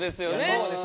そうですね。